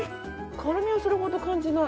辛みはそれほど感じない。